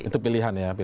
itu pilihan ya